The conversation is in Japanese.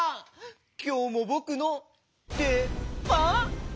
きょうもぼくのでばん？